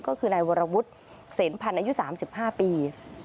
ก็คือนายวรวุฒิเสนพันธ์อายุ๓๕ปี